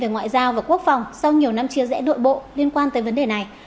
về ngoại giao và quốc phòng sau nhiều năm chia rẽ đội bộ liên quan tới vấn đề này